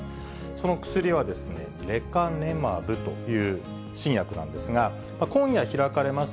その薬は、レカネマブという新薬なんですが、今夜開かれます